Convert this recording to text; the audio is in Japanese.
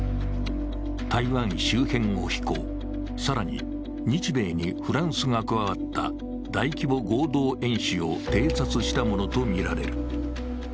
台湾周辺を飛行、更に日米にフランスが加わった大規模合同演習を偵察したものとみられる。